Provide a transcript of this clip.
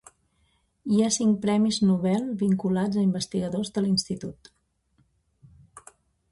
Hi ha cinc Premis Nobel vinculats a investigadors de l'institut.